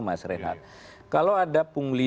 mas reinhardt kalau ada pungli